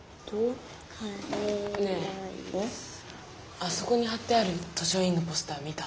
あそこにはってある図書委員のポスター見た？